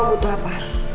kamu butuh apa